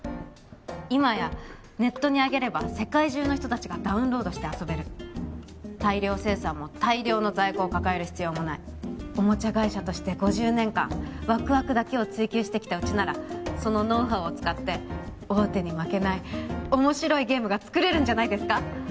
今やネットに上げれば世界中の人達がダウンロードして遊べる大量生産も大量の在庫を抱える必要もないおもちゃ会社として５０年間ワクワクだけを追求してきたうちならそのノウハウを使って大手に負けない面白いゲームが作れるんじゃないですか？